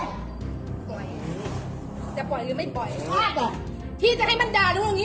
อาหารที่สุดท้าย